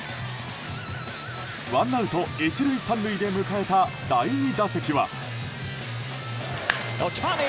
ワンアウト１塁３塁で迎えた第２打席は。